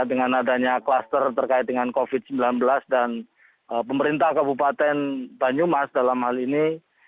dengan adanya kluster terkait dengan covid sembilan belas dan pemerintah kabupaten banyumas dalam hal ini